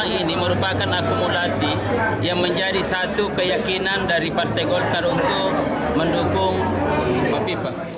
saya kira semua ini merupakan akumulasi yang menjadi satu keyakinan dari partai golkar untuk mendukung kofifa